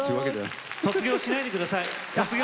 卒業しないでください。